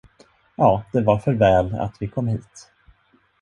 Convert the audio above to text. Ja, det var för väl, att vi kom hit.